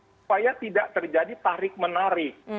supaya tidak terjadi tarik menarik